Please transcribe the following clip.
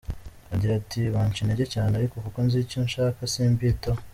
Agira ati “Banca intege cyane, ariko kuko nzi icyo nshaka simbitaho.